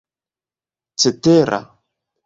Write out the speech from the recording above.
cetera